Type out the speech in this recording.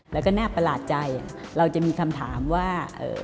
แล้วก็น่าประหลาดใจเราจะมีคำถามว่า